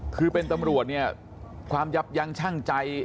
คือเป็นตำรวจเนี่ยความยับยั้งชั่งใจ